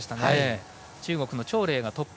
中国の張麗がトップ。